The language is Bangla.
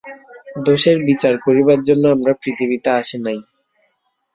দোষের বিচার করিবার জন্য আমরা পৃথিবীতে আসি নাই।